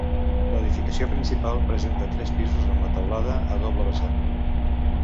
L'edificació principal presenta tres pisos amb la teulada a doble vessant.